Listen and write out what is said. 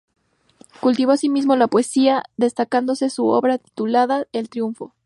Cultivó asimismo la poesía, destacándose su obra titulada "El Triunfo".